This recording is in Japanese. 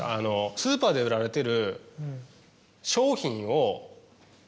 スーパーで売られてる。